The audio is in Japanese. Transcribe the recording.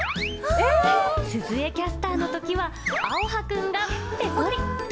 鈴江キャスターのときはあおはくんがぺこり。